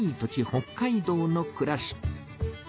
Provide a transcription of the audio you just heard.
北海道のくらし。